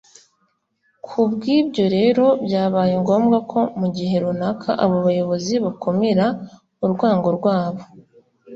. Ku bw’ibyo rero, byabaye ngombwa ko mu gihe runaka abo bayobozi bakumira urwango rwabo